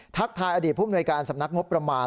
ทักทายอดีตผู้มนวยการสำนักงบประมาณ